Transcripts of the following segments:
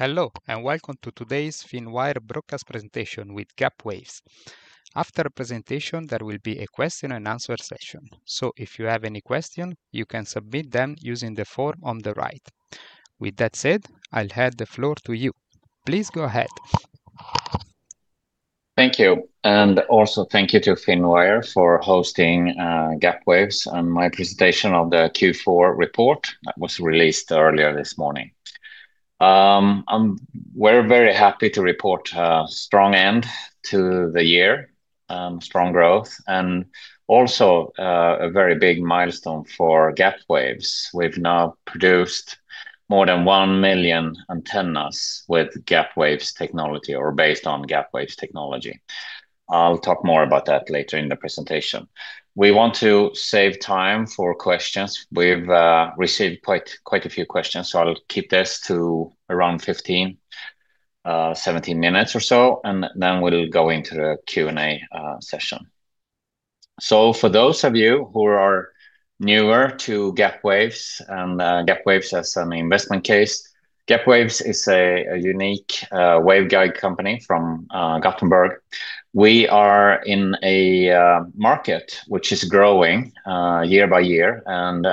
Hello, and welcome to today's Finwire Broadcast presentation with Gapwaves. After the presentation, there will be a question-and-answer session. If you have any question, you can submit them using the form on the right. With that said, I'll hand the floor to you. Please go ahead. Thank you. And also thank you to Finwire for hosting, Gapwaves and my presentation of the Q4 report that was released earlier this morning. We're very happy to report a strong end to the year, strong growth, and also, a very big milestone for Gapwaves. We've now produced more than 1 million antennas with Gapwaves technology or based on Gapwaves technology. I'll talk more about that later in the presentation. We want to save time for questions. We've received quite a few questions, so I'll keep this to around 15, 17 minutes or so, and then we'll go into the Q&A, session. For those of you who are newer to Gapwaves and, Gapwaves as an investment case, Gapwaves is a unique, waveguide company from, Gothenburg. We are in a market which is growing year by year and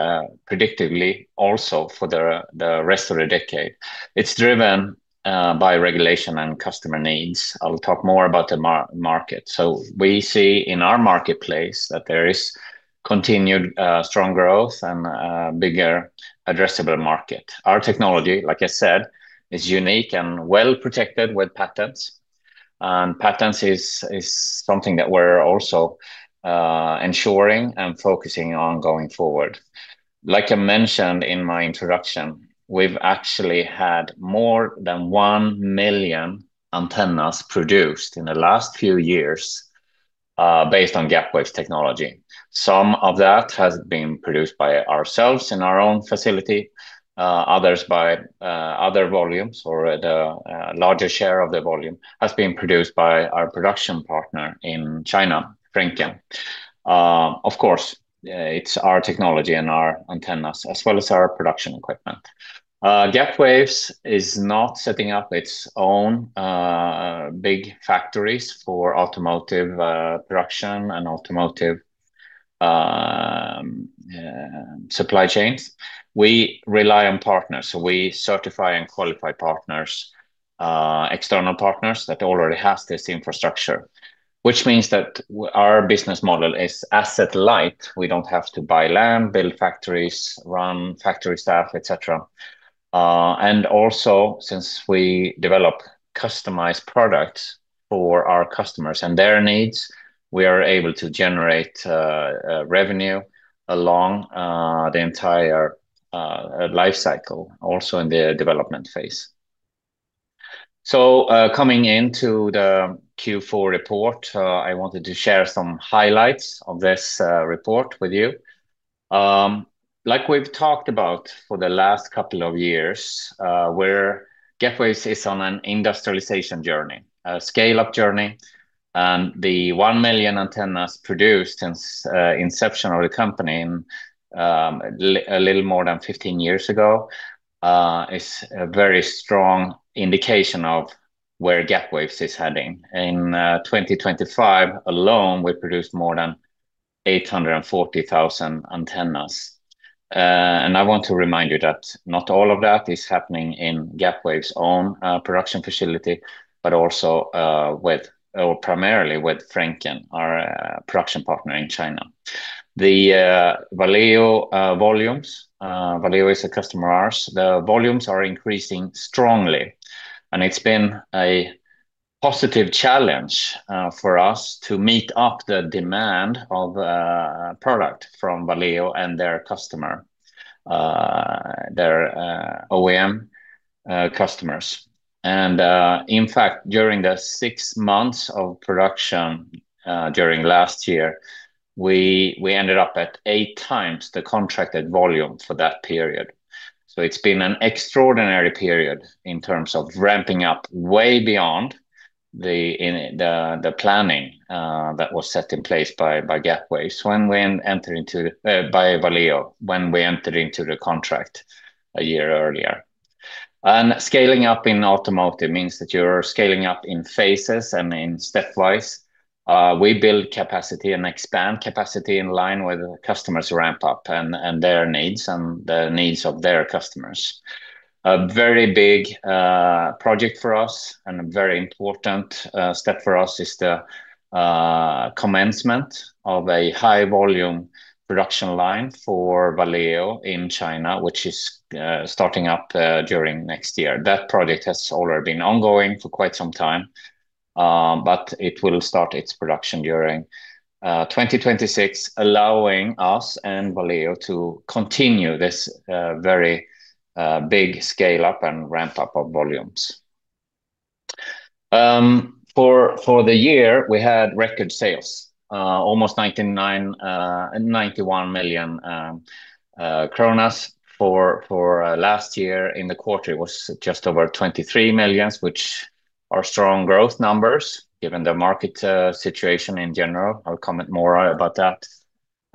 predictively also for the rest of the decade. It's driven by regulation and customer needs. I'll talk more about the market. So we see in our marketplace that there is continued strong growth and a bigger addressable market. Our technology, like I said, is unique and well-protected with patents, and patents is something that we're also ensuring and focusing on going forward. Like I mentioned in my introduction, we've actually had more than 1 million antennas produced in the last few years, based on Gapwaves technology. Some of that has been produced by ourselves in our own facility, others by other volumes, or the larger share of the volume has been produced by our production partner in China, Frencken. Of course, it's our technology and our antennas, as well as our production equipment. Gapwaves is not setting up its own big factories for automotive production and automotive supply chains. We rely on partners. We certify and qualify partners, external partners that already have this infrastructure, which means that our business model is asset-light. We don't have to buy land, build factories, run factory staff, et cetera. And also, since we develop customized products for our customers and their needs, we are able to generate revenue along the entire life cycle, also in the development phase. So, coming into the Q4 report, I wanted to share some highlights of this report with you. Like we've talked about for the last couple of years, where Gapwaves is on an industrialization journey, a scale-up journey, and the 1 million antennas produced since inception of the company, a little more than 15 years ago, is a very strong indication of where Gapwaves is heading. In 2025 alone, we produced more than 840,000 antennas. And I want to remind you that not all of that is happening in Gapwaves' own production facility, but also, or primarily with Frencken, our production partner in China. The Valeo volumes, Valeo is a customer of ours. The volumes are increasing strongly, and it's been a positive challenge for us to meet up the demand of product from Valeo and their customer, their OEM customers. In fact, during the six months of production during last year, we ended up at 8x the contracted volume for that period. So it's been an extraordinary period in terms of ramping up way beyond the planning that was set in place by Valeo when we entered into the contract a year earlier. Scaling up in automotive means that you're scaling up in phases and in stepwise. We build capacity and expand capacity in line with the customers' ramp up and their needs and the needs of their customers. A very big project for us and a very important step for us is the commencement of a high-volume production line for Valeo in China, which is starting up during next year. That project has already been ongoing for quite some time, but it will start its production during 2026, allowing us and Valeo to continue this very big scale-up and ramp up of volumes. For the year, we had record sales, almost 91 million kronor. For last year in the quarter, it was just over 23 million, which are strong growth numbers, given the market situation in general. I'll comment more about that.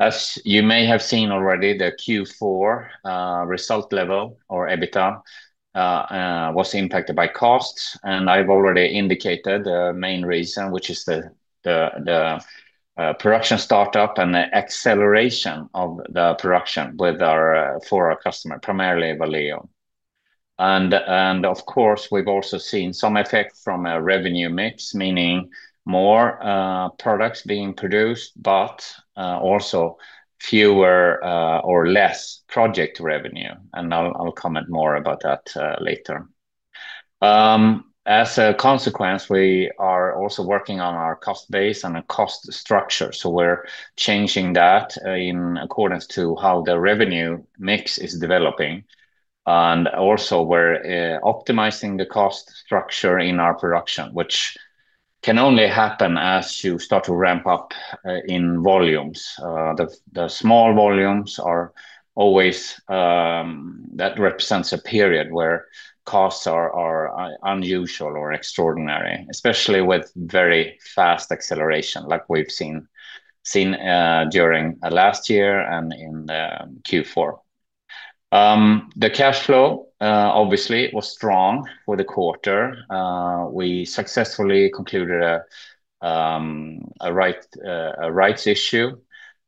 As you may have seen already, the Q4 result level or EBITDA was impacted by costs, and I've already indicated the main reason, which is the production startup and the acceleration of the production for our customer, primarily Valeo. And of course, we've also seen some effect from a revenue mix, meaning more products being produced, but also fewer or less project revenue. And I'll comment more about that later. As a consequence, we are also working on our cost base and the cost structure. So we're changing that in accordance to how the revenue mix is developing. And also we're optimizing the cost structure in our production, which can only happen as you start to ramp up in volumes. The small volumes are always that represents a period where costs are unusual or extraordinary, especially with very fast acceleration, like we've seen during last year and in the Q4. The cash flow obviously was strong for the quarter. We successfully concluded a rights issue,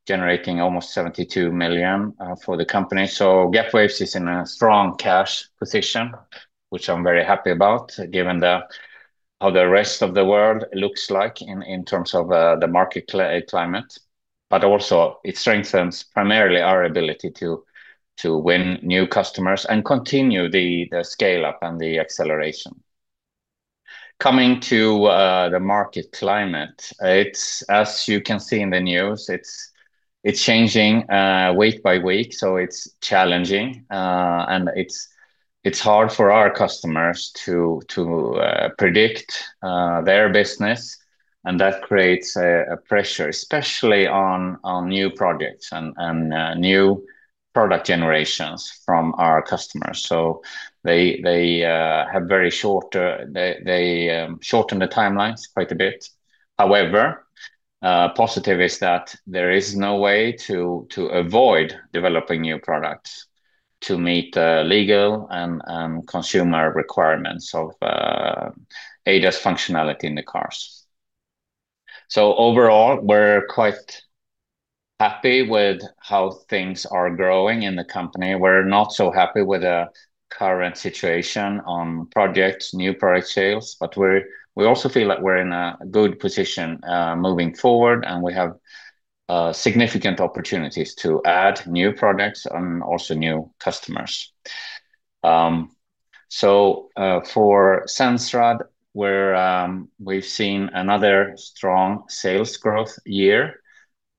generating almost 72 million for the company. So Gapwaves is in a strong cash position, which I'm very happy about, given the how the rest of the world looks like in terms of the market climate. But also it strengthens primarily our ability to win new customers and continue the scale-up and the acceleration. Coming to the market climate, it's, as you can see in the news, it's changing week by week, so it's challenging. And it's hard for our customers to predict their business, and that creates a pressure, especially on new projects and new product generations from our customers. So they have very short, they shorten the timelines quite a bit. However, positive is that there is no way to avoid developing new products to meet the legal and consumer requirements of ADAS functionality in the cars. So overall, we're quite happy with how things are growing in the company. We're not so happy with the current situation on projects, new product sales, but we also feel like we're in a good position moving forward, and we have significant opportunities to add new products and also new customers. So, for Sensrad, we've seen another strong sales growth year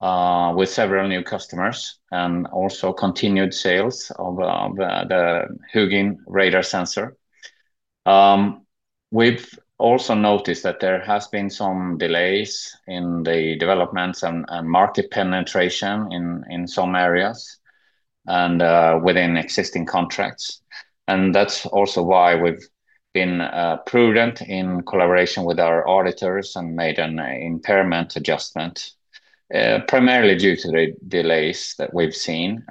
with several new customers and also continued sales of the Hugin radar sensor. We've also noticed that there has been some delays in the developments and market penetration in some areas and within existing contracts. That's also why we've been prudent in collaboration with our auditors and made an impairment adjustment primarily due to the delays that we've seen.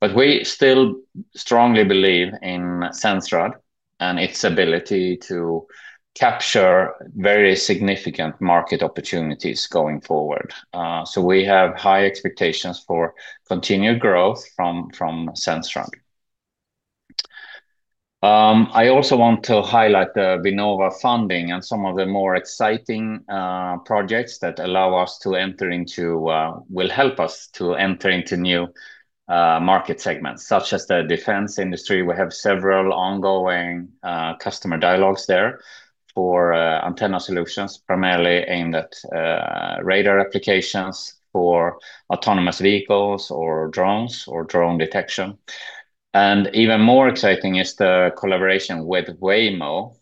But we still strongly believe in Sensrad and its ability to capture very significant market opportunities going forward. So we have high expectations for continued growth from Sensrad. I also want to highlight the Vinnova funding and some of the more exciting projects that will help us to enter into new market segments, such as the defense industry. We have several ongoing customer dialogues there for antenna solutions, primarily aimed at radar applications for autonomous vehicles or drones or drone detection. And even more exciting is the collaboration with Waymo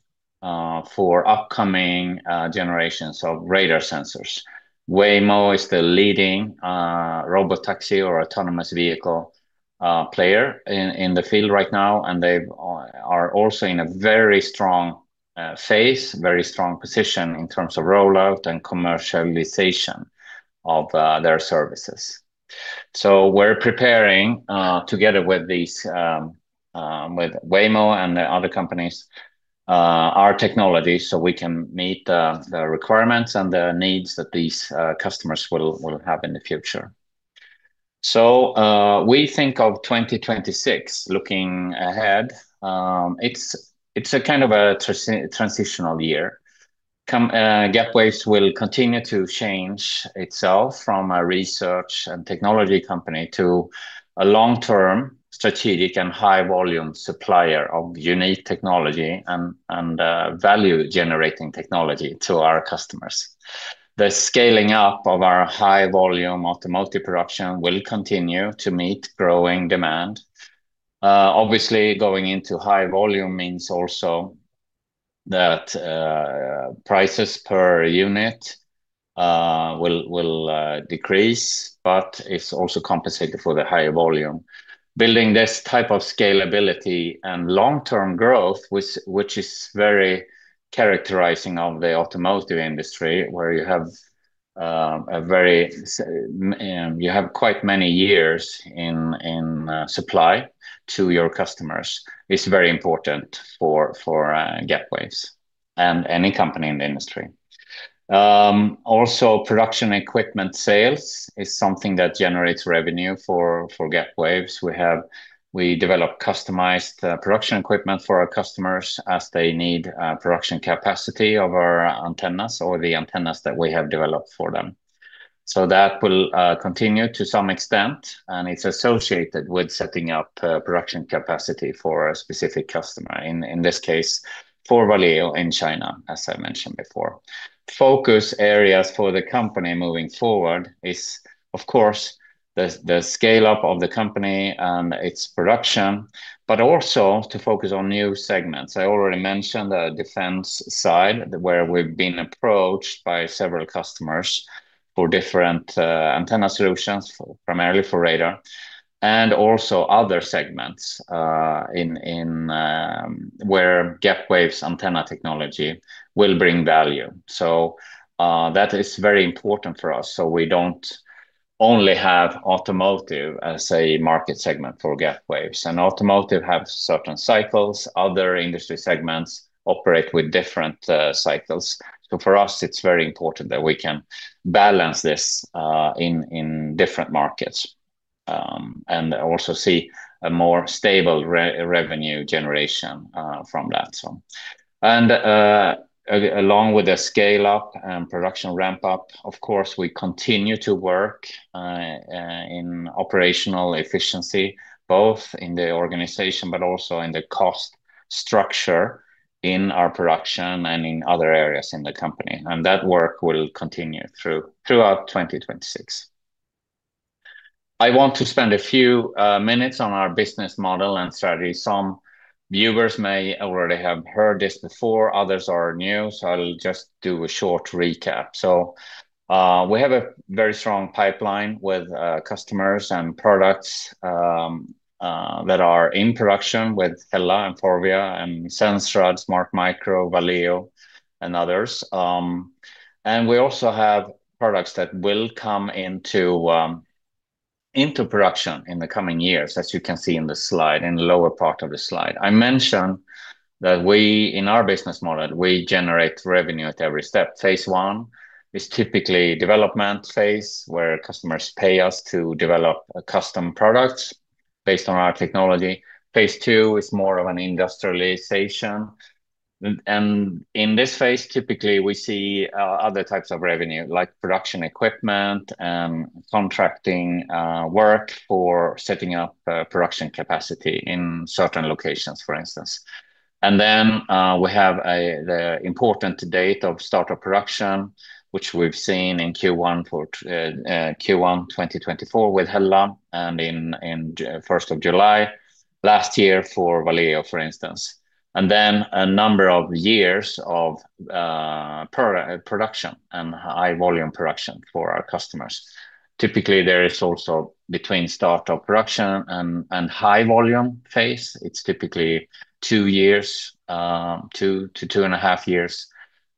for upcoming generations of radar sensors. Waymo is the leading robotaxi or autonomous vehicle player in the field right now, and they are also in a very strong phase, very strong position in terms of rollout and commercialization of their services. So we're preparing together with Waymo and the other companies our technology, so we can meet the requirements and the needs that these customers will have in the future. So we think of 2026, looking ahead, it's a kind of a transitional year. Gapwaves will continue to change itself from a research and technology company to a long-term strategic and high-volume supplier of unique technology and value-generating technology to our customers. The scaling up of our high volume automotive production will continue to meet growing demand. Obviously, going into high volume means also that, prices per unit, will decrease, but it's also compensated for the higher volume. Building this type of scalability and long-term growth, which is very characterizing of the automotive industry, where you have a very, you have quite many years in supply to your customers is very important for Gapwaves and any company in the industry. Also, production equipment sales is something that generates revenue for Gapwaves. We develop customized production equipment for our customers as they need production capacity of our antennas or the antennas that we have developed for them. So that will continue to some extent, and it's associated with setting up production capacity for a specific customer, in this case, for Valeo in China, as I mentioned before. Focus areas for the company moving forward is, of course, the scale-up of the company and its production, but also to focus on new segments. I already mentioned the defense side, where we've been approached by several customers for different antenna solutions, primarily for radar, and also other segments where Gapwaves antenna technology will bring value. So that is very important for us, so we don't only have automotive as a market segment for Gapwaves. And automotive have certain cycles. Other industry segments operate with different cycles. So for us, it's very important that we can balance this in different markets and also see a more stable revenue generation from that. Along with the scale-up and production ramp-up, of course, we continue to work in operational efficiency, both in the organization but also in the cost structure in our production and in other areas in the company, and that work will continue throughout 2026. I want to spend a few minutes on our business model and strategy. Some viewers may already have heard this before. Others are new, so I'll just do a short recap. We have a very strong pipeline with customers and products that are in production with HELLA, and FORVIA, and Sensata, Smartmicro, Valeo, and others. And we also have products that will come into production in the coming years, as you can see in the slide, in the lower part of the slide. I mentioned that we, in our business model, we generate revenue at every step. Phase one is typically development phase, where customers pay us to develop a custom product based on our technology. Phase two is more of an industrialization, and in this phase, typically, we see other types of revenue, like production equipment, contracting work, or setting up production capacity in certain locations, for instance. And then, we have the important date of start of production, which we've seen in Q1 2024 with HELLA, and in first of July last year for Valeo, for instance. And then a number of years of production and high volume production for our customers. Typically, there is also between start of production and high volume phase, it's typically 2 years, 2 to 2.5 years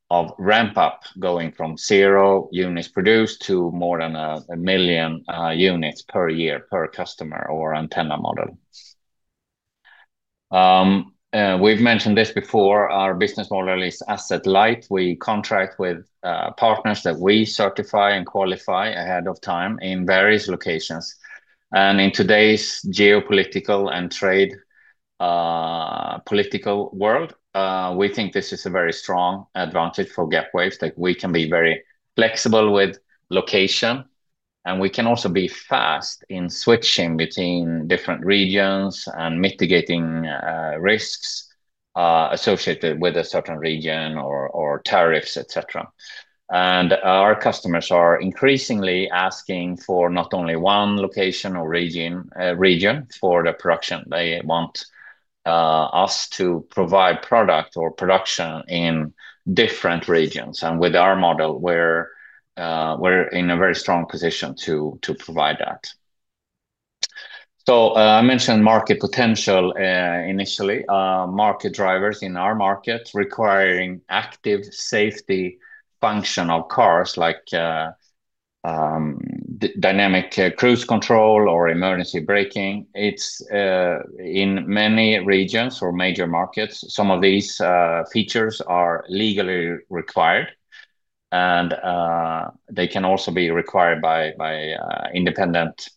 of ramp-up, going from zero units produced to more than 1 million units per year, per customer or antenna model. We've mentioned this before, our business model is asset light. We contract with partners that we certify and qualify ahead of time in various locations. And in today's geopolitical and trade political world, we think this is a very strong advantage for Gapwaves, that we can be very flexible with location, and we can also be fast in switching between different regions and mitigating risks associated with a certain region or tariffs, et cetera. Our customers are increasingly asking for not only one location or region for the production, they want us to provide product or production in different regions, and with our model, we're in a very strong position to provide that. So, I mentioned market potential initially. Market drivers in our market requiring active safety function of cars like dynamic cruise control or emergency braking. It's in many regions or major markets, some of these features are legally required, and they can also be required by independent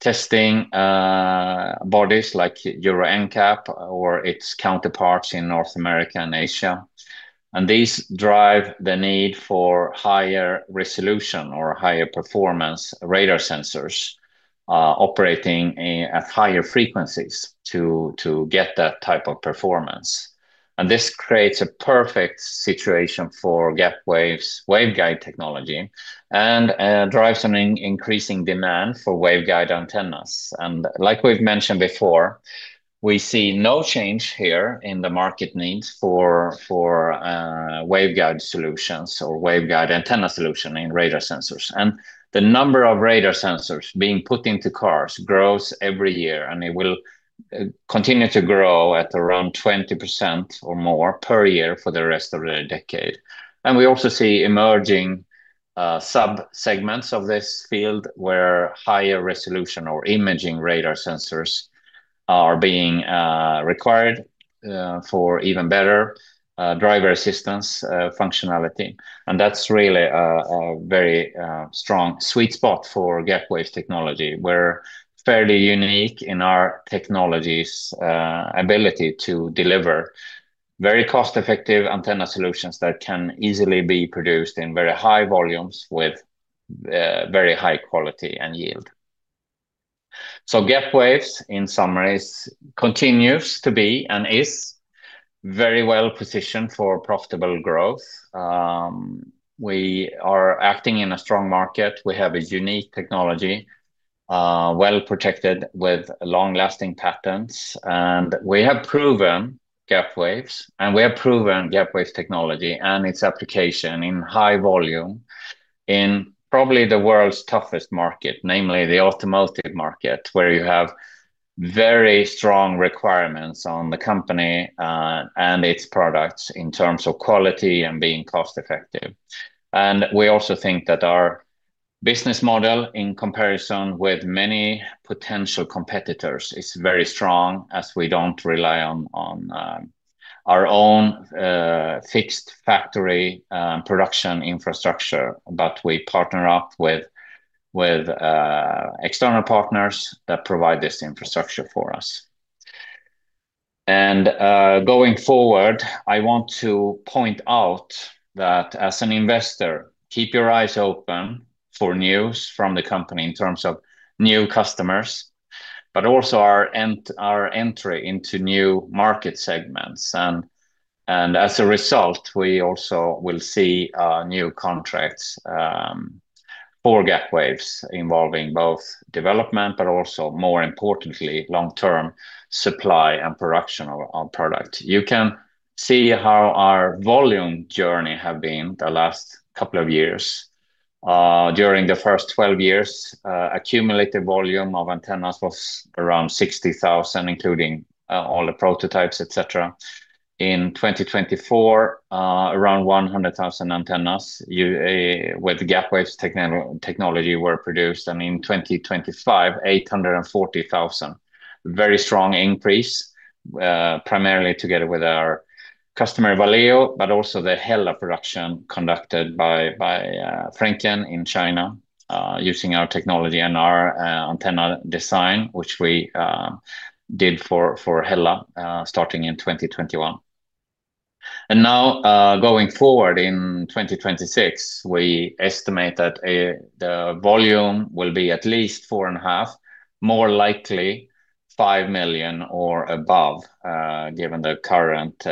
testing bodies like Euro NCAP or its counterparts in North America and Asia. These drive the need for higher resolution or higher performance radar sensors operating at higher frequencies to get that type of performance. This creates a perfect situation for Gapwaves' waveguide technology and drives an increasing demand for waveguide antennas. Like we've mentioned before, we see no change here in the market needs for waveguide solutions or waveguide antenna solution in radar sensors. The number of radar sensors being put into cars grows every year, and it will continue to grow at around 20% or more per year for the rest of the decade. We also see emerging sub-segments of this field, where higher resolution or imaging radar sensors are being required for even better driver assistance functionality. That's really a very strong sweet spot for Gapwaves technology. We're fairly unique in our technology's ability to deliver very cost-effective antenna solutions that can easily be produced in very high volumes with very high quality and yield. So Gapwaves, in summary, continues to be and is very well positioned for profitable growth. We are acting in a strong market. We have a unique technology well protected with long-lasting patents, and we have proven Gapwaves, and we have proven Gapwaves technology and its application in high volume in probably the world's toughest market, namely the automotive market, where you have very strong requirements on the company and its products in terms of quality and being cost effective. And we also think that our business model, in comparison with many potential competitors, is very strong, as we don't rely on our own fixed factory production infrastructure. But we partner up with external partners that provide this infrastructure for us. And going forward, I want to point out that as an investor, keep your eyes open for news from the company in terms of new customers, but also our entry into new market segments. And as a result, we also will see new contracts for Gapwaves, involving both development, but also more importantly, long-term supply and production of product. You can see how our volume journey have been the last couple of years. During the first 12 years, accumulated volume of antennas was around 60,000, including all the prototypes, et cetera. In 2024, around 100,000 antennas with the Gapwaves technology were produced, and in 2025, 840,000. Very strong increase, primarily together with our customer, Valeo, but also the HELLA production conducted by Frencken in China, using our technology and our antenna design, which we did for Hella, starting in 2021. And now, going forward in 2026, we estimate that the volume will be at least 4.5, more likely 5 million or above, given the current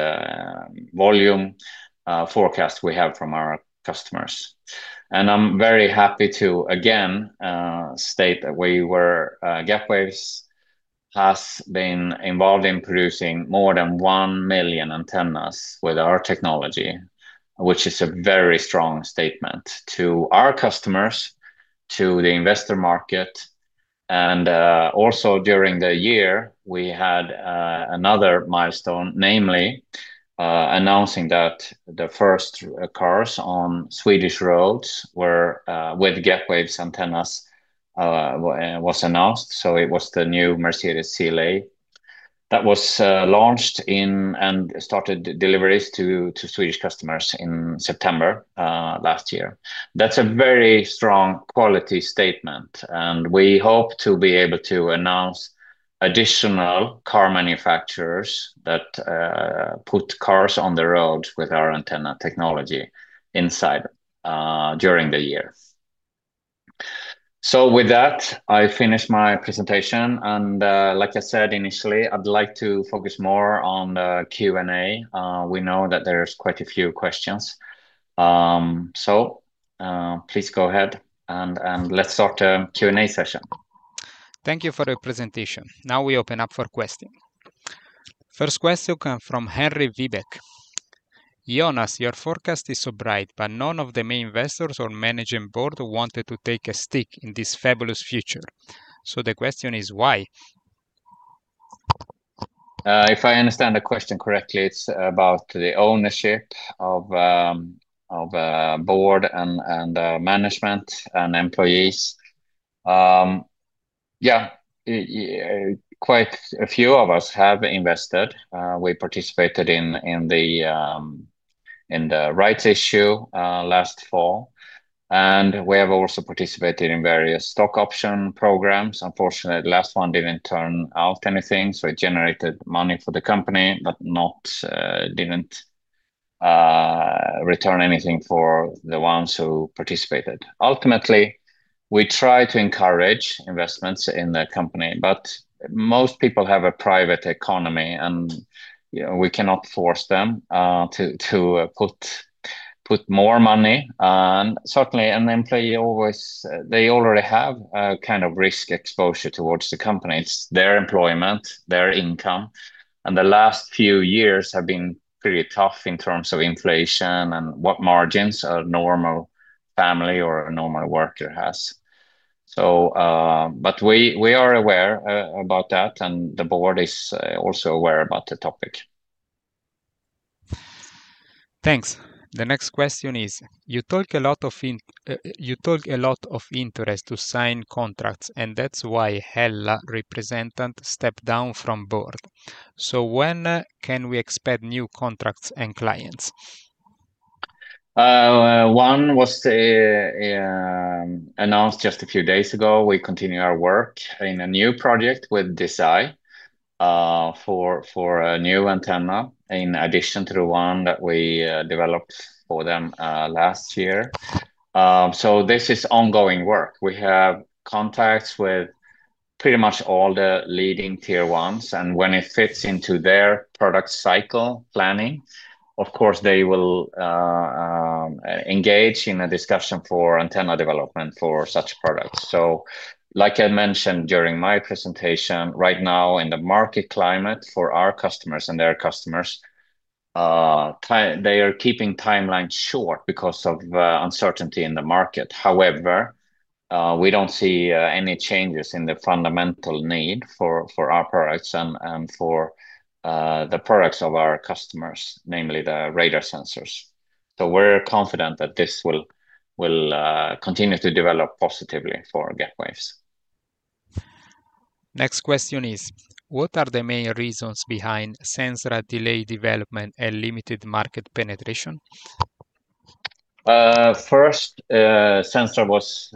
volume forecast we have from our customers. And I'm very happy to again state that Gapwaves has been involved in producing more than 1 million antennas with our technology, which is a very strong statement to our customers, to the investor market. Also during the year, we had another milestone, namely, announcing that the first cars on Swedish roads were with Gapwaves antennas was announced. So it was the new Mercedes CLA that was launched in and started deliveries to Swedish customers in September last year. That's a very strong quality statement, and we hope to be able to announce additional car manufacturers that put cars on the road with our antenna technology inside during the year. So with that, I finish my presentation, and like I said initially, I'd like to focus more on the Q&A. We know that there's quite a few questions. So please go ahead and let's start the Q&A session. Thank you for the presentation. Now we open up for questions. First question comes from Henri Wiebe: "Jonas, your forecast is so bright, but none of the main investors or managing board wanted to take a stake in this fabulous future. So the question is, why? If I understand the question correctly, it's about the ownership of board and management and employees. Yeah, quite a few of us have invested. We participated in the rights issue last fall, and we have also participated in various stock option programs. Unfortunately, the last one didn't turn out anything, so it generated money for the company, but not, didn't return anything for the ones who participated. Ultimately, we try to encourage investments in the company, but most people have a private economy, and, you know, we cannot force them to put more money. Certainly, an employe, they already have a kind of risk exposure towards the company. It's their employment, their income, and the last few years have been pretty tough in terms of inflation and what margins a normal family or a normal worker has. So, but we are aware about that, and the board is also aware about the topic. Thanks. The next question is: you talk a lot of interest to sign contracts, and that's why HELLA representative stepped down from board. So when can we expect new contracts and clients? One was announced just a few days ago. We continue our work in a new project with Desay for a new antenna, in addition to the one that we developed for them last year. So this is ongoing work. We have contacts with pretty much all the leading Tier 1s, and when it fits into their product cycle planning, of course, they will engage in a discussion for antenna development for such products. So like I mentioned during my presentation, right now in the market climate for our customers and their customers, they are keeping timelines short because of uncertainty in the market. However, we don't see any changes in the fundamental need for our products and for the products of our customers, namely the radar sensors. We're confident that this will continue to develop positively for Gapwaves. Next question is: what are the main reasons behind Sensrad's delayed development and limited market penetration? First, Sensrad was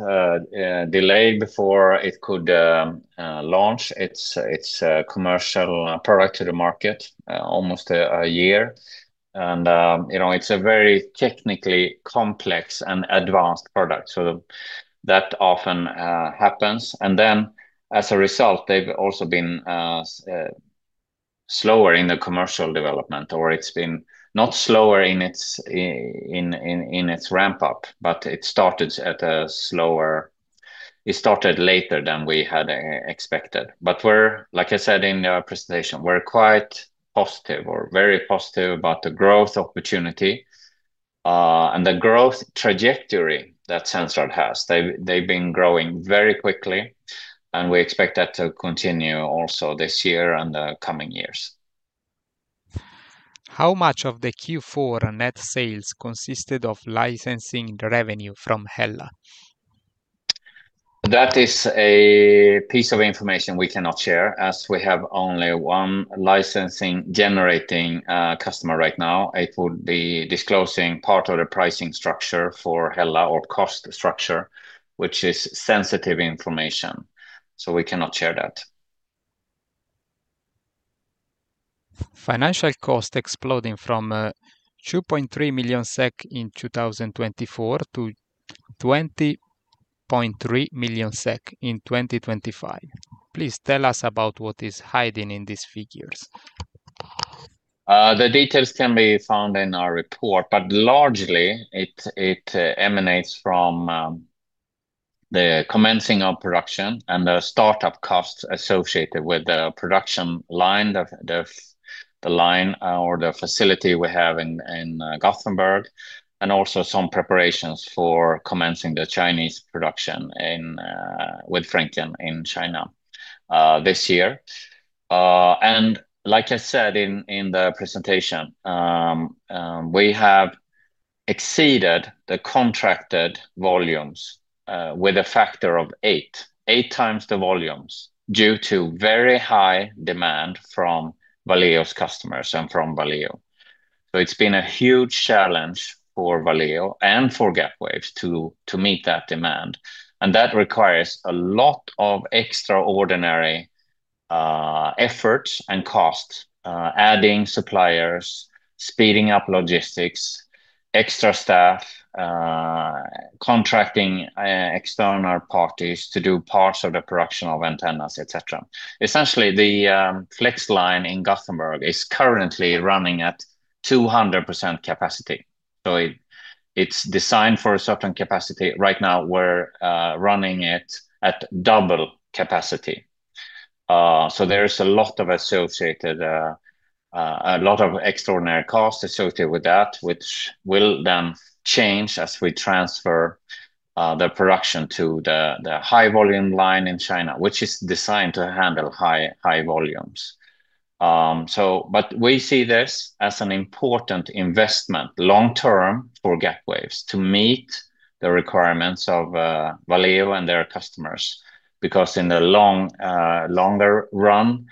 delayed before it could launch its commercial product to the market, almost a year. And, you know, it's a very technically complex and advanced product, so that often happens. And then, as a result, they've also been slower in the commercial development, or it's been not slower in its ramp-up, but it started at a slower. It started later than we had expected. But we're, like I said in the presentation, we're quite positive or very positive about the growth opportunity, and the growth trajectory that Sensrad has. They've been growing very quickly, and we expect that to continue also this year and the coming years. How much of the Q4 net sales consisted of licensing revenue from HELLA? That is a piece of information we cannot share, as we have only one licensing-generating customer right now. It would be disclosing part of the pricing structure for HELLA or cost structure, which is sensitive information, so we cannot share that. Financial cost exploding from 2.3 million SEK in 2024 to 20.3 million SEK in 2025. Please tell us about what is hiding in these figures? The details can be found in our report, but largely it emanates from the commencing of production and the startup costs associated with the production line, or the facility we have in Gothenburg, and also some preparations for commencing the Chinese production with Frencken in China this year. And like I said in the presentation, we have exceeded the contracted volumes with a factor of 8. 8x the volumes due to very high demand from Valeo's customers and from Valeo. So it's been a huge challenge for Valeo and for Gapwaves to meet that demand, and that requires a lot of extraordinary efforts and costs. Adding suppliers, speeding up logistics, extra staff, contracting external parties to do parts of the production of antennas, et cetera. Essentially, the flex line in Gothenburg is currently running at 200% capacity. It’s designed for a certain capacity. Right now, we’re running it at double capacity. So there is a lot of associated extraordinary costs associated with that, which will then change as we transfer the production to the high-volume line in China, which is designed to handle high volumes. So but we see this as an important investment long term for Gapwaves to meet the requirements of Valeo and their customers. Because in the longer run,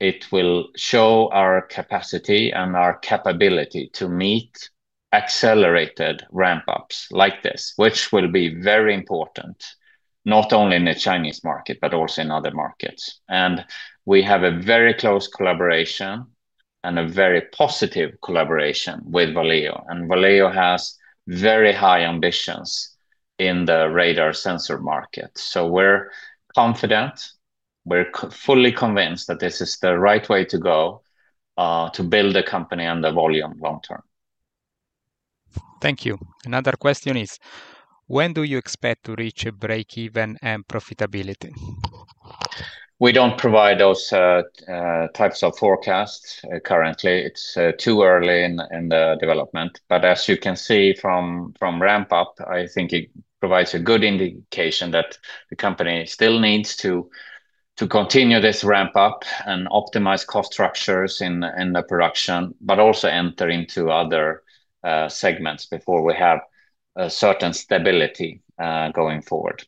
it will show our capacity and our capability to meet accelerated ramp-ups like this, which will be very important, not only in the Chinese market, but also in other markets. We have a very close collaboration and a very positive collaboration with Valeo, and Valeo has very high ambitions in the radar sensor market. So we're confident, we're fully convinced that this is the right way to go, to build the company and the volume long term. Thank you. Another question is: When do you expect to reach break-even and profitability? We don't provide those types of forecasts currently. It's too early in the development. But as you can see from the ramp-up, I think it provides a good indication that the company still needs to continue this ramp up and optimize cost structures in the production, but also enter into other segments before we have a certain stability going forward.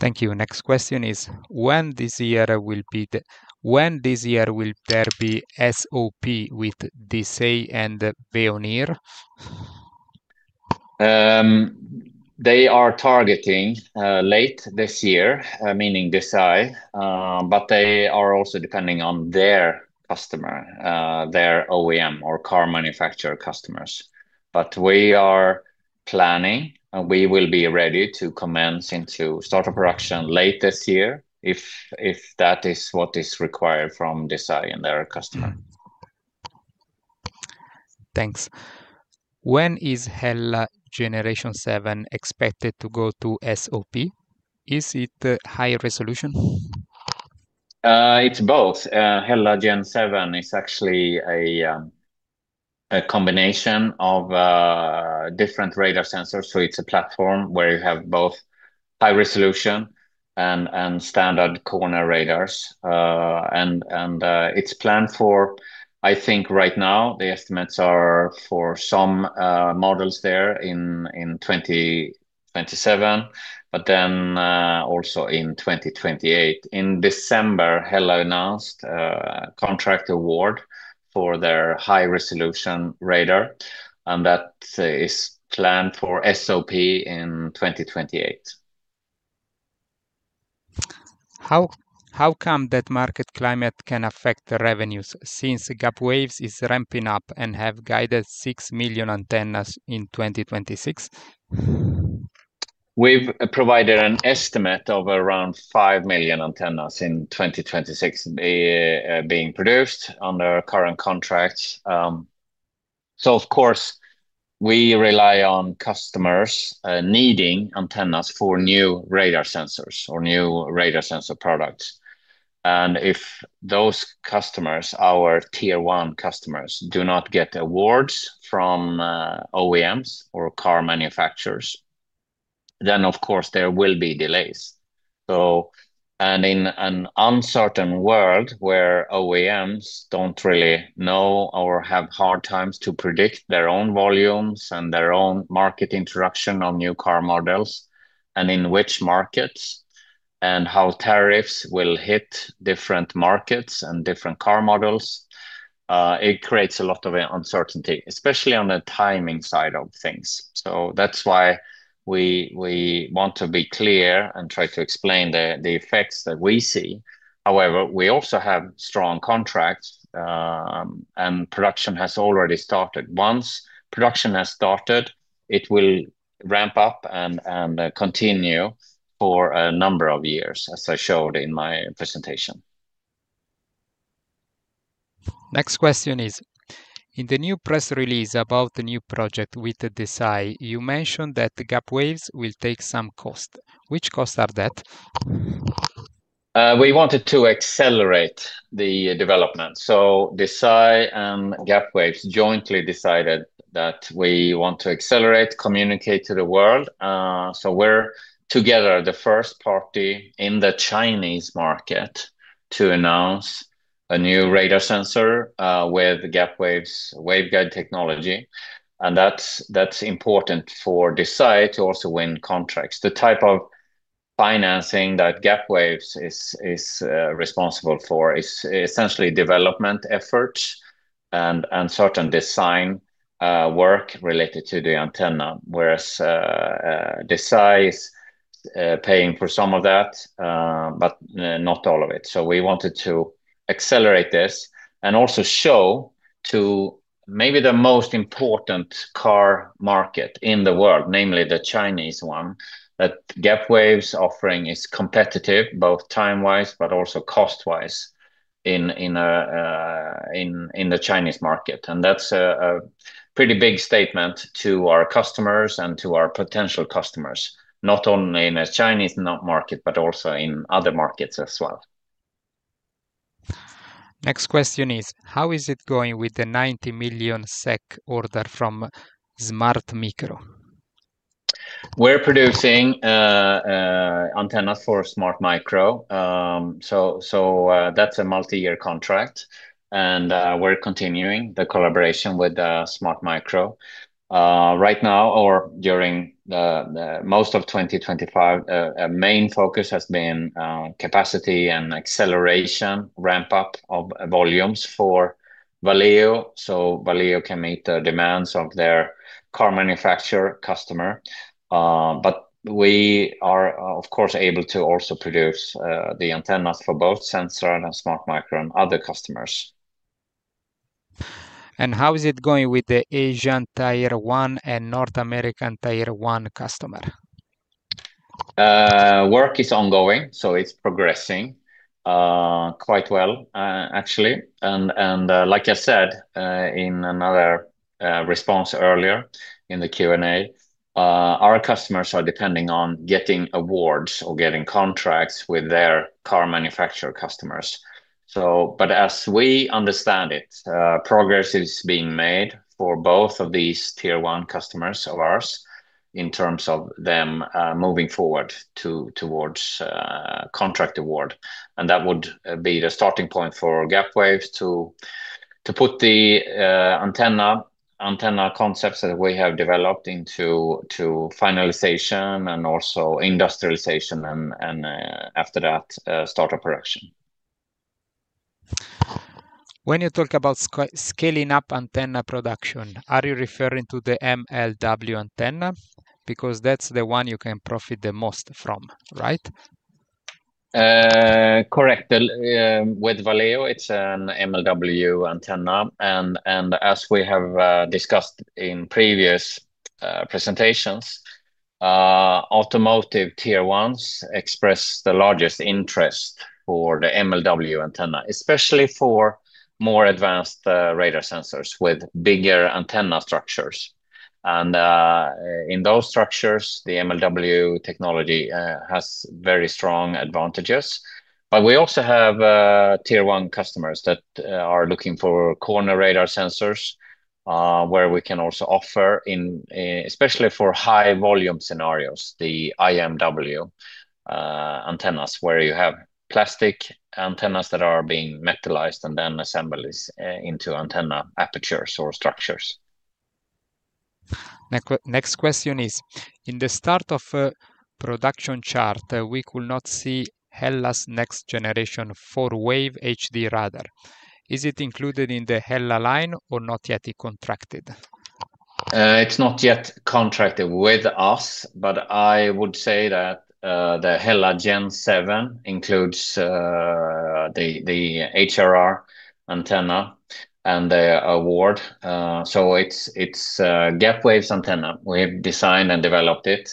Thank you. Next question is: When this year will there be SOP with Desay and Veoneer? They are targeting late this year, meaning Desay, but they are also depending on their customer, their OEM or car manufacturer customers. But we are planning, and we will be ready to commence into start of production late this year, if that is what is required from Desay and their customer. Thanks. When is HELLA Generation Seven expected to go to SOP? Is it high resolution? It's both. HELLA Gen 7 is actually a combination of different radar sensors, so it's a platform where you have both high-resolution and standard corner radars. It's planned for right now the estimates are for some models there in 2027, but then also in 2028. In December, HELLA announced a contract award for their high-resolution radar, and that is planned for SOP in 2028. How come that market climate can affect the revenues, since the Gapwaves is ramping up and have guided 6 million antennas in 2026? We've provided an estimate of around 5 million antennas in 2026, being produced under our current contracts. Of course, we rely on customers needing antennas for new radar sensors or new radar sensor products, and if those customers, our Tier 1 customers, do not get awards from OEMs or car manufacturers, then of course there will be delays. So, in an uncertain world, where OEMs don't really know or have hard times to predict their own volumes and their own market introduction on new car models, and in which markets, and how tariffs will hit different markets and different car models, it creates a lot of uncertainty, especially on the timing side of things. So that's why we, we want to be clear and try to explain the, the effects that we see. However, we also have strong contracts, and production has already started. Once production has started, it will ramp up and continue for a number of years, as I showed in my presentation. Next question is: In the new press release about the new project with the Desay, you mentioned that the Gapwaves will take some cost. Which costs are that? We wanted to accelerate the development, so Desay and Gapwaves jointly decided that we want to accelerate, communicate to the world. So we're together, the first party in the Chinese market to announce a new radar sensor with Gapwaves' waveguide technology, and that's important for Desay to also win contracts. The type of financing that Gapwaves is responsible for is essentially development efforts and certain design work related to the antenna. Whereas Desay is paying for some of that, but not all of it. So we wanted to accelerate this, and also show to maybe the most important car market in the world, namely the Chinese one, that Gapwaves' offering is competitive, both time-wise but also cost-wise, in the Chinese market. And that's a pretty big statement to our customers and to our potential customers, not only in the Chinese market, but also in other markets as well. Next question is: How is it going with the 90 million SEK order from Smartmicro? We're producing antennas for Smartmicro. So, that's a multi-year contract, and we're continuing the collaboration with Smartmicro. Right now, or during the most of 2025, our main focus has been capacity and acceleration, ramp up of volumes for Valeo, so Valeo can meet the demands of their car manufacturer customer. But we are, of course, able to also produce the antennas for both Sensrad and Smartmicro and other customers. How is it going with the Asian Tier 1 and North American Tier 1 customer? Work is ongoing, so it's progressing quite well, actually. Like I said, in another response earlier in the Q&A, our customers are depending on getting awards or getting contracts with their car manufacturer customers. So but as we understand it, progress is being made for both of these Tier 1 customers of ours in terms of them moving forward towards contract award. And that would be the starting point for Gapwaves to put the antenna concepts that we have developed into finalization and also industrialization and after that start our production. When you talk about scaling up antenna production, are you referring to the MLW antenna? Because that's the one you can profit the most from, right? Correct. With Valeo, it's an MLW antenna, and, and as we have discussed in previous presentations, automotive Tier 1s express the largest interest for the MLW antenna, especially for more advanced radar sensors with bigger antenna structures. And, in those structures, the MLW technology has very strong advantages. But we also have Tier 1 customers that are looking for corner radar sensors, where we can also offer in, especially for high volume scenarios, the IMW antennas, where you have plastic antennas that are being metalized and then assembled into antenna apertures or structures. Next question is, in the start of a production chart, we could not see HELLA's next generation for Wave HD Radar. Is it included in the HELLA line or not yet contracted? It's not yet contracted with us, but I would say that the HELLA Gen 7 includes the HRR antenna and the award. So it's Gapwaves' antenna. We have designed and developed it,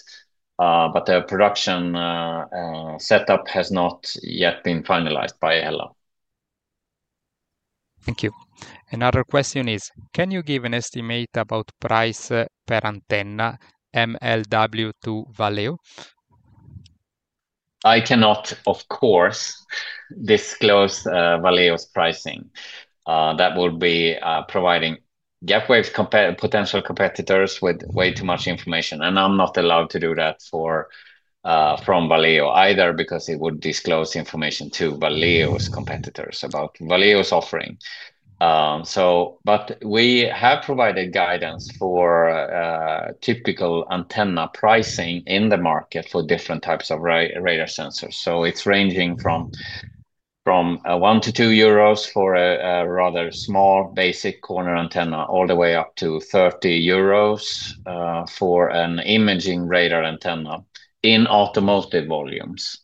but the production setup has not yet been finalized by HELLA. Thank you. Another question is, can you give an estimate about price per antenna, MLW to Valeo? I cannot, of course, disclose Valeo's pricing. That would be providing Gapwaves' potential competitors with way too much information, and I'm not allowed to do that for from Valeo either, because it would disclose information to Valeo's competitors about Valeo's offering. So but we have provided guidance for typical antenna pricing in the market for different types of radar sensors. So it's ranging from 1-2 euros for a rather small basic corner antenna, all the way up to 30 euros for an imaging radar antenna in automotive volumes.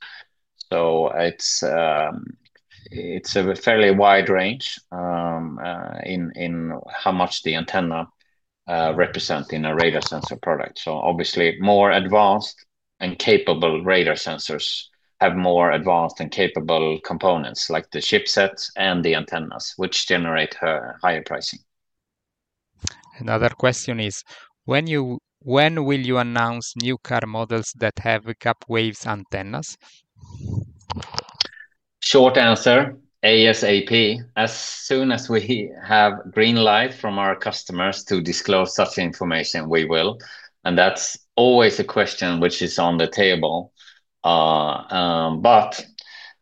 So it's a fairly wide range in how much the antenna represent in a radar sensor product. So obviously, more advanced and capable radar sensors have more advanced and capable components, like the chipsets and the antennas, which generate higher pricing. Another question is, when will you announce new car models that have Gapwaves' antennas? Short answer, ASAP. As soon as we have green light from our customers to disclose such information, we will, and that's always a question which is on the table. But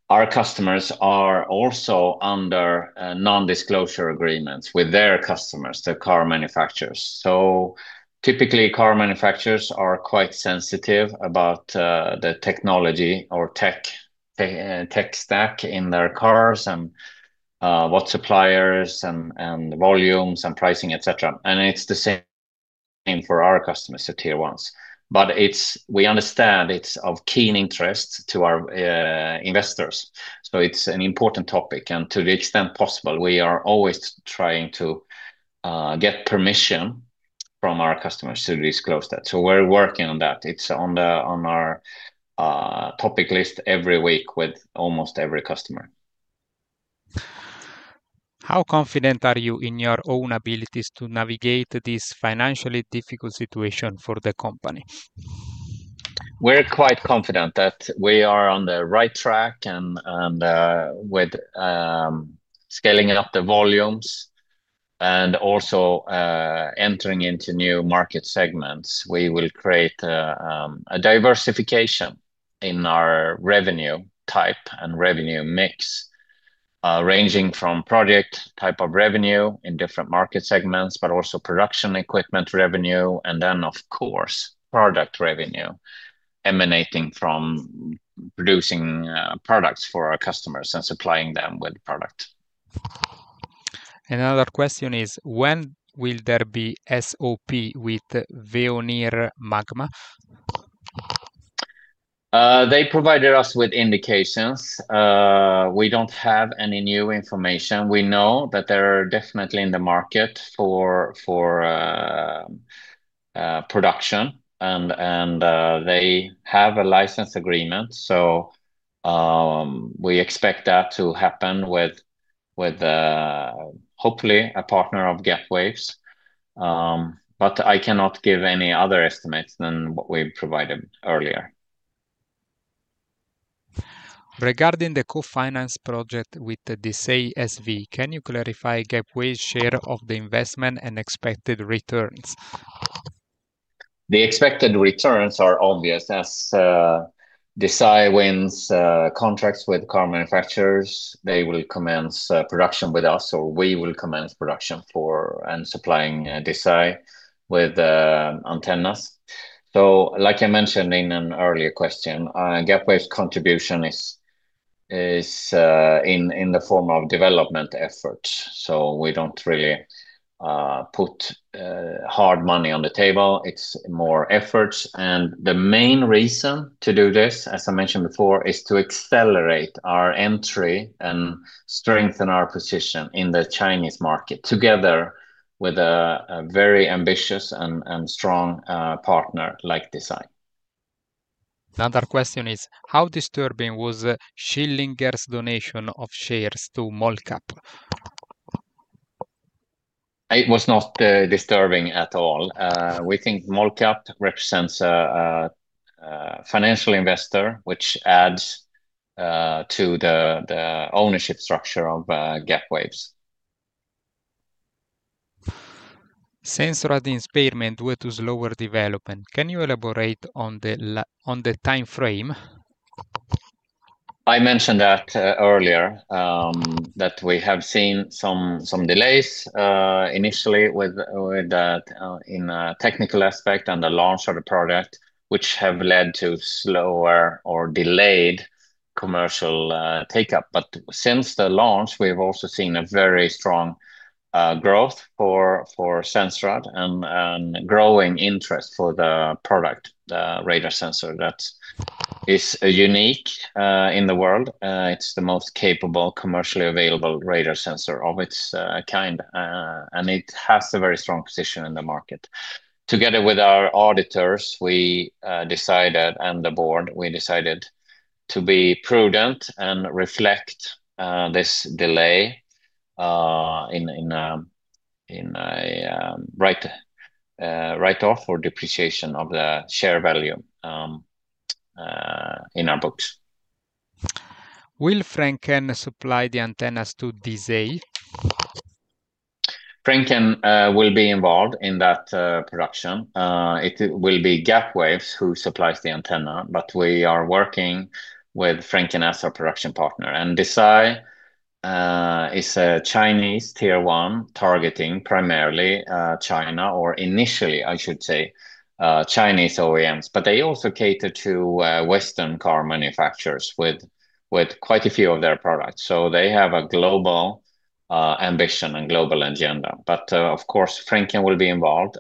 our customers are also under non-disclosure agreements with their customers, the car manufacturers. So typically, car manufacturers are quite sensitive about the technology or tech stack in their cars and what suppliers and volumes and pricing, et cetera. And it's the same for our customers, the Tier 1s. But we understand it's of keen interest to our investors, so it's an important topic, and to the extent possible, we are always trying to get permission from our customers to disclose that. So we're working on that. It's on our topic list every week with almost every customer. How confident are you in your own abilities to navigate this financially difficult situation for the company? We're quite confident that we are on the right track, and with scaling up the volumes and also entering into new market segments, we will create a diversification in our revenue type and revenue mix. Ranging from project type of revenue in different market segments, but also production equipment revenue, and then, of course, product revenue emanating from producing products for our customers and supplying them with product. Another question is, when will there be SOP with Veoneer Magna? They provided us with indications. We don't have any new information. We know that they're definitely in the market for production, and they have a license agreement, so we expect that to happen with hopefully a partner of Gapwaves. But I cannot give any other estimates than what we provided earlier. Regarding the co-finance project with the Desay SV, can you clarify Gapwaves' share of the investment and expected returns? The expected returns are obvious. As Desay wins contracts with car manufacturers, they will commence production with us, or we will commence production for, and supplying, Desay with antennas. So like I mentioned in an earlier question, Gapwaves' contribution is in the form of development efforts. So we don't really put hard money on the table. It's more efforts, and the main reason to do this, as I mentioned before, is to accelerate our entry and strengthen our position in the Chinese market, together with a very ambitious and strong partner like Desay. Another question is: How disturbing was Schilliger's donation of shares to Molcap? It was not disturbing at all. We think Molcap represents a financial investor which adds to the ownership structure of Gapwaves. Sensrad development due to slower development. Can you elaborate on the timeframe? I mentioned that earlier that we have seen some delays initially with the in technical aspect on the launch of the product, which have led to slower or delayed commercial take-up. But since the launch, we've also seen a very strong growth for Sensrad and growing interest for the product, the radar sensor, that is unique in the world. It's the most capable commercially available radar sensor of its kind and it has a very strong position in the market. Together with our auditors, we decided, and the board, we decided to be prudent and reflect this delay in a write-off or depreciation of the share value in our books. Will Frencken supply the antennas to Desay? Frencken will be involved in that production. It will be Gapwaves who supplies the antenna, but we are working with Frencken as our production partner. Desay SV is a Chinese Tier 1, targeting primarily China, or initially, I should say, Chinese OEMs, but they also cater to Western car manufacturers with quite a few of their products. So they have a global ambition and global agenda. But of course, Frencken will be involved.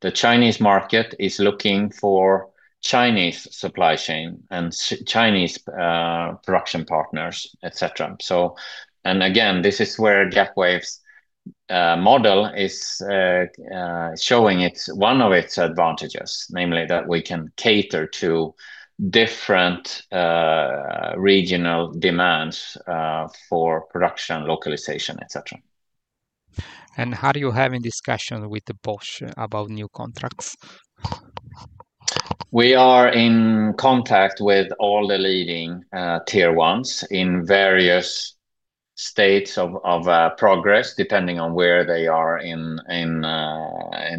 The Chinese market is looking for Chinese supply chain and Chinese production partners, et cetera. And again, this is where Gapwaves' model is showing its one of its advantages, namely, that we can cater to different regional demands for production, localization, et cetera. How are you having discussion with Bosch about new contracts? We are in contact with all the leading Tier 1s in various states of progress, depending on where they are in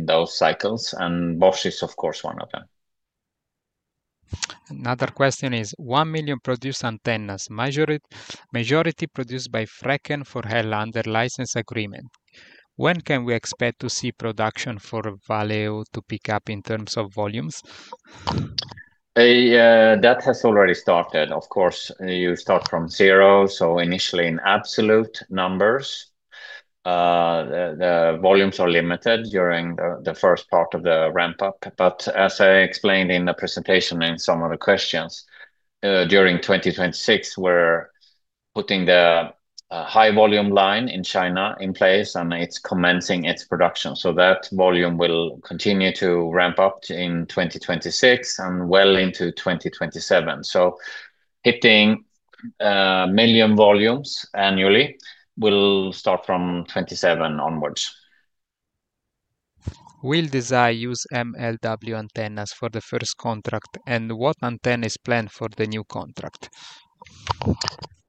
those cycles, and Bosch is of course one of them. Another question is: 1 million produced antennas, majority produced by Frencken for HELLA license agreement. When can we expect to see production for Valeo to pick up in terms of volumes? That has already started. Of course, you start from zero, so initially in absolute numbers, the volumes are limited during the first part of the ramp-up. But as I explained in the presentation, in some of the questions, during 2026, we're putting the high volume line in China in place, and it's commencing its production. So that volume will continue to ramp up in 2026 and well into 2027. So hitting million volumes annually will start from 2027 onwards. Will Desay use MLW antennas for the first contract, and what antenna is planned for the new contract?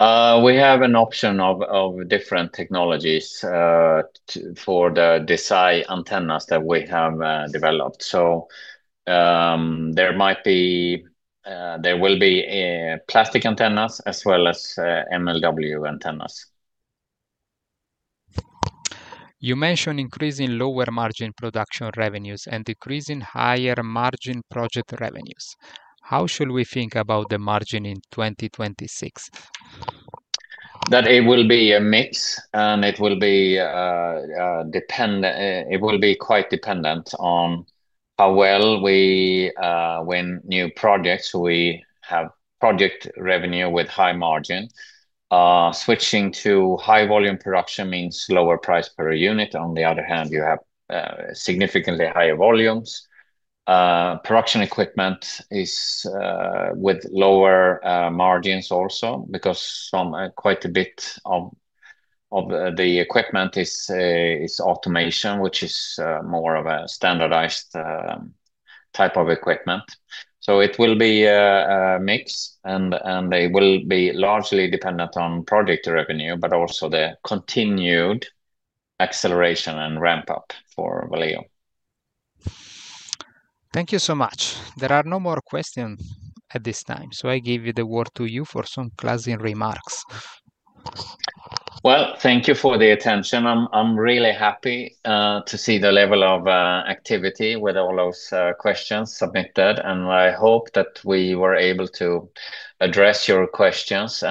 We have an option of different technologies for the Desay antennas that we have developed. There will be plastic antennas as well as MLW antennas. You mentioned increasing lower margin production revenues and decreasing higher margin project revenues. How should we think about the margin in 2026? That it will be a mix, and it will be dependent, it will be quite dependent on how well we win new projects. We have project revenue with high margin. Switching to high volume production means lower price per unit. On the other hand, you have significantly higher volumes. Production equipment is with lower margins also because some quite a bit of the equipment is automation, which is more of a standardized type of equipment. So it will be a mix, and it will be largely dependent on project revenue, but also the continued acceleration and ramp-up for Valeo. Thank you so much. There are no more questions at this time, so I give you the word to you for some closing remarks. Well, thank you for the attention. I'm, I'm really happy to see the level of activity with all those questions submitted, and I hope that we were able to address your questions.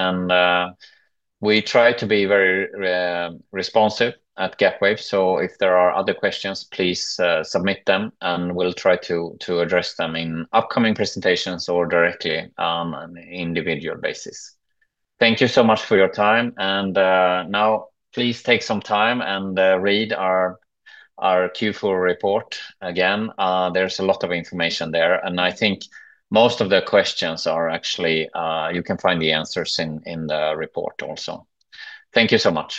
We try to be very responsive at Gapwaves. So if there are other questions, please submit them, and we'll try to address them in upcoming presentations or directly on an individual basis. Thank you so much for your time, and now please take some time and read our Q4 report again. There's a lot of information there, and I think most of the questions are actually you can find the answers in the report also. Thank you so much.